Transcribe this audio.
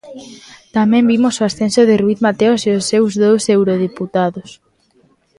Tamén vimos o ascenso de Ruíz Mateos e os seus dous eurodeputados.